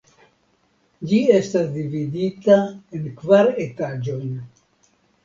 Ĝi estas dividita en kvar etaĝojn.